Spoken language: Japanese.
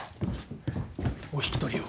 お引き取りを。